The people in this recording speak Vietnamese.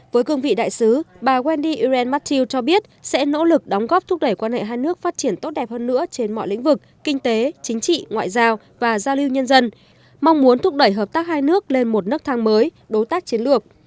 với cương vị đại sứ bà wendy aren matthew cho biết sẽ nỗ lực đóng góp thúc đẩy quan hệ hai nước phát triển tốt đẹp hơn nữa trên mọi lĩnh vực kinh tế chính trị ngoại giao và giao lưu nhân dân mong muốn thúc đẩy hợp tác hai nước lên một nước thang mới đối tác chiến lược